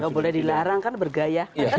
nggak boleh dilarang kan bergaya